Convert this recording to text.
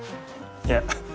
いや。